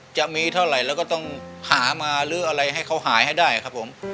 จะมีเท่าไหร่เราก็ต้องหามาหรืออะไรให้เขาหายให้ได้ครับผม